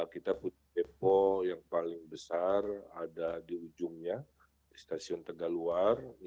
kita depo yang paling besar ada di ujungnya di stasiun tegaluar